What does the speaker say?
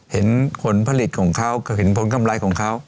เห็นผลผลิตของเขาก็เห็นผลกำไรของเขา